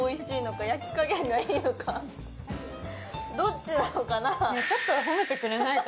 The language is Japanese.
どっちなのかなあ。